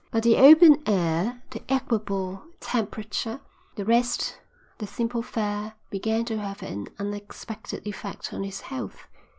But the open air, the equable temperature, the rest, the simple fare, began to have an unexpected effect on his health.